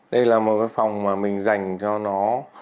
đây là một cái phòng mà mình dành cho nó